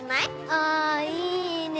あぁいいね。